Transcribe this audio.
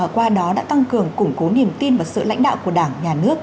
qua đó đã tăng cường củng cố niềm tin và sự lãnh đạo của đảng nhà nước